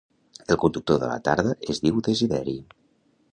El conductor de la tarda es diu Desideri